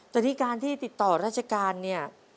แต่ที่การที่ติดต่อราชการเนี่ย